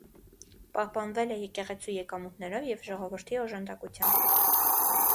Պահպանվել է եկեղեցու եկամուտներով և ժողովրդի օժանդակությամբ։